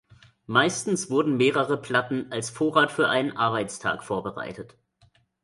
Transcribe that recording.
Meistens wurden mehrere Platten als Vorrat für einen Arbeitstag vorbereitet.